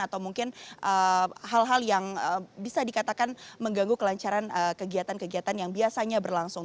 atau mungkin hal hal yang bisa dikatakan mengganggu kelancaran kegiatan kegiatan yang biasanya berlangsung